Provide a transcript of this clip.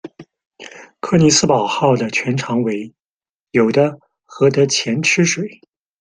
柯尼斯堡号的全长为，有的和的前吃水。